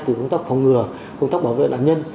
từ công tác phòng ngừa công tác bảo vệ nạn nhân